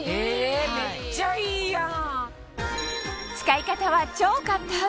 めっちゃいいやん。